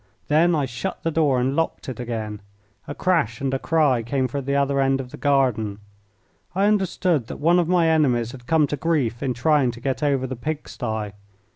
Then I shut the door and locked it again. A crash and a cry came from the other end of the garden. I understood that one of my enemies had come to grief in trying to get over the pig sty.